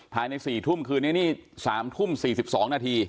ภายใน๔ทุ่มคืนนี้นี่๓ทุ่ม๔๒นาที